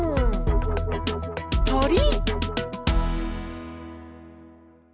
とり！